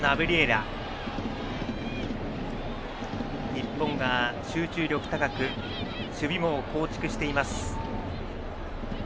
日本が集中力高く守備網を構築しています。